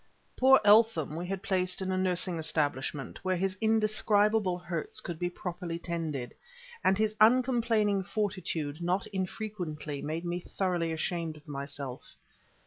Poor Eltham we had placed in a nursing establishment, where his indescribable hurts could be properly tended: and his uncomplaining fortitude not infrequently made me thoroughly ashamed of myself.